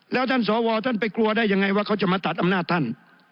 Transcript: แล้วท่านสวท่านไปกลัวได้ยังไงว่าเขาจะมาตัดอำนาจท่าน